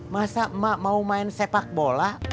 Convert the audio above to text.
masa emak mau main sepak bola